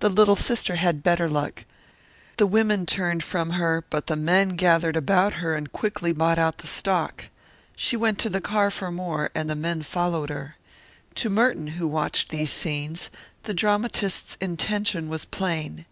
The little sister had better luck. The women turned from her, but the men gathered about her and quickly bought out the stock. She went to the car for more and the men followed her. To Merton, who watched these scenes, the dramatist's intention was plain.